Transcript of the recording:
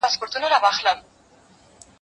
دوی چي ول لرګي به په اور کي وي باره په دوار کي ول